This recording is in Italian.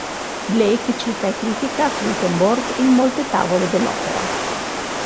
Blake cita e critica Swedenborg in molte tavole dell'opera.